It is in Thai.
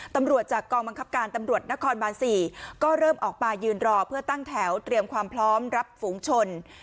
ตำรวจจากกองบังคับการตำรวจนครบาน๔ก็เริ่มออกมายืนรอเพื่อตั้งแถวเตรียมความพร้อมรับฝูงชน